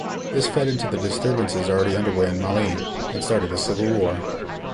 This fed into the disturbances already underway in Mali, and started a civil war.